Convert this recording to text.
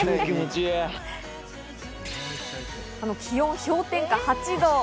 気温氷点下８度。